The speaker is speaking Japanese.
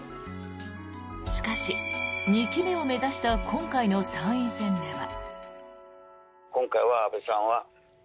しかし、２期目を目指した今回の参院選では。